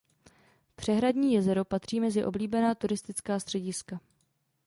Přehradní jezero patří mezi oblíbená turistická střediska.